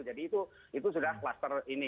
jadi itu sudah klaster ini